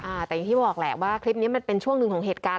แต่อย่างที่บอกแหละว่าคลิปนี้มันเป็นช่วงหนึ่งของเหตุการณ์